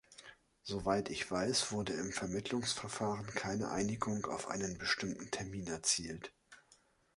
Soweit ich weiß, wurde im Vermittlungsverfahren keine Einigung auf einen bestimmten Termin erzielt.